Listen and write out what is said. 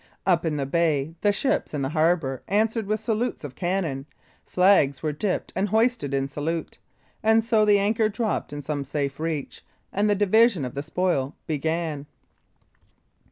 Up in the bay, the ships in the harbor answered with salutes of cannon; flags were dipped and hoisted in salute; and so the anchor dropped in some safe reach, and the division of the spoil began.